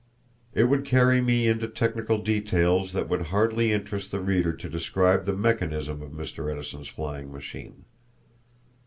It would carry me into technical details that would hardly interest the reader to describe the mechanism of Mr. Edison's flying machine.